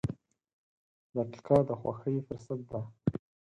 • دقیقه د خوښۍ فرصت ده.